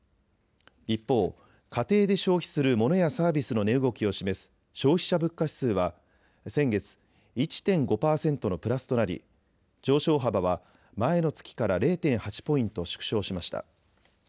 一方、家庭で消費するモノやサービスの値動きを示す消費者物価指数は先月１．５％のプラスとなり、上昇幅は前の月から０．８ポイント縮小しました。